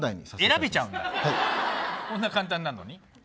選べちゃうんだこんな簡単なのに。